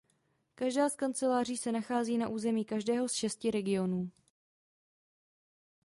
Každá z kanceláří se nachází na území každého z šesti regionů.